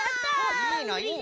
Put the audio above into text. いいないいな。